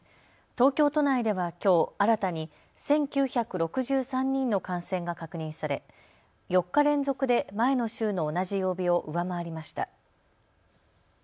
東京都内ではきょう新たに１９６３人の感染が確認され４日連続で前の週の同じ曜日を上回りました。